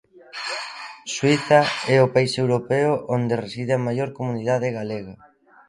Suíza é o país europeo onde reside a maior comunidade galega.